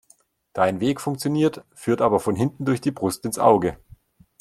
Dein Weg funktioniert, führt aber von hinten durch die Brust ins Auge.